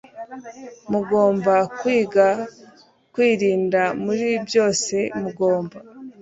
Mugomba kwiga kwirinda muri byose Mugomba